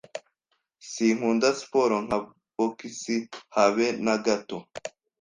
Sinkunda siporo nka bokisi habe nagato